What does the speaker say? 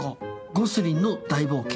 『ゴスリンの大冒険』。